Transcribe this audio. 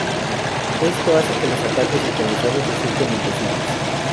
Esto hace que los ataques sincronizados resulten imposibles.